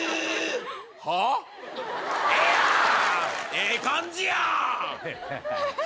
ええ感じやん。